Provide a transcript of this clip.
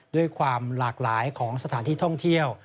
ด้วยความหลากหลายของสถานที่ท่องเที่ยว